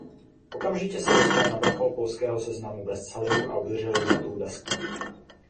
Okamžitě se dostal na vrchol polského seznamu bestsellerů a obdrželo zlatou desku.